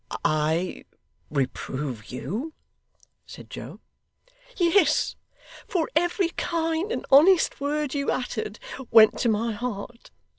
'I reprove you!' said Joe. 'Yes for every kind and honest word you uttered, went to my heart.